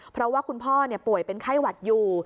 เพราะว่าคุณพ่อป่วยเป็นไข้หวัดอยู่